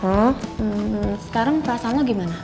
hmm sekarang perasaan lo gimana